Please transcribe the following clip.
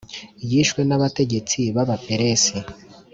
yishwe n’abategetsi b’abaperesi